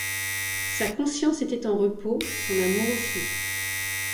Sa conscience était en repos, son amour aussi.